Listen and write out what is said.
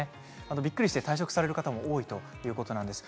びっくりして退職される方も多いということなんです。